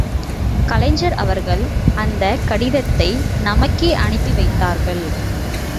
கலைஞர் அவர்கள் அந்தக் கடிதத்தை நமக்கே அனுப்பிவைத்தார்கள்!